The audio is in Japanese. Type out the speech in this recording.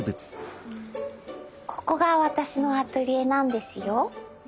ここが私のアトリエなんですよ。